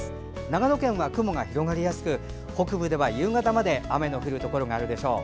長野県は雲が広がりやすく北部では夕方まで雨の降るところがあるでしょう。